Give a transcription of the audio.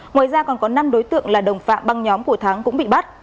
ngoài ra còn có năm đối tượng là đồng phạm băng nhóm của thắng cũng bị bắt